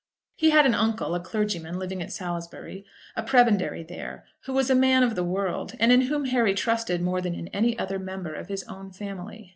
He had an uncle, a clergyman, living at Salisbury, a prebendary there, who was a man of the world, and in whom Harry trusted more than in any other member of his own family.